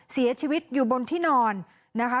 เสียชีวิตอยู่บนที่นอนนะคะ